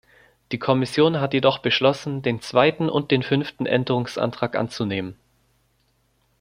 Die Kommission hat jedoch beschlossen, den zweiten und den fünften Änderungsantrag anzunehmen.